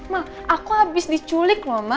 mah aku habis diculik loh ma